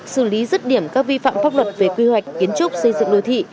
xử lý rứt điểm các vi phạm pháp luật về quy hoạch kiến trúc xây dựng đô thị